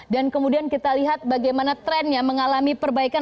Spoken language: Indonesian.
dan kemudian kita lihat bagaimana trendnya mengalami perbaikan